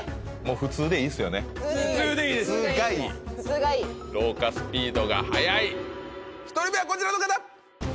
普通がいい普通がいい老化スピードが早い１人目はこちらの方